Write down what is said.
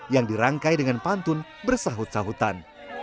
yang dirangkai dengan pantun bersahut sahutan